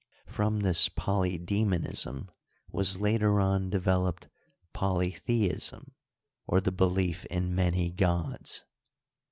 From this poly dcsmonism was later on developed polytheism^ or the be lief in many gods.